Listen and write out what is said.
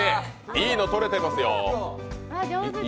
いいの撮れてますよ。